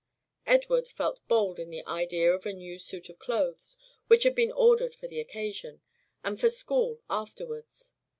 Edward felt bold in the idea of a new suit of clothes, which had been ordered for the occasion, and for school afterwards.